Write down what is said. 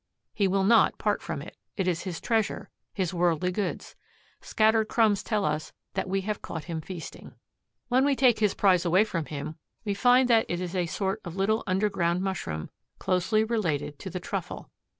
He will not part from it. It is his treasure, his worldly goods. Scattered crumbs tell us that we have caught him feasting. When we take his prize away from him we find that it is a sort of little underground mushroom, closely related to the truffle.